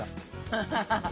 アハハハ。